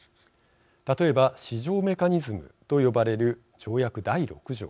例えば、市場メカニズムと呼ばれる条約第６条。